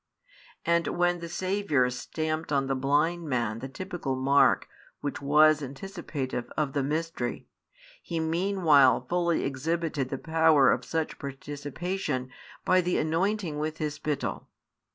And when the Saviour stamped on the blind man the typical mark which was anticipative of the mystery, He meanwhile fully exhibited the power of such participation by the anointing with His spittle.